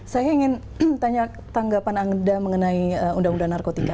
saya ingin tanya tanggapan anda mengenai undang undang narkotika